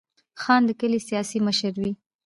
خان د کلي سیاسي مشر وي.